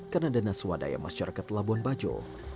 karena dana swadaya masyarakat labuan bajo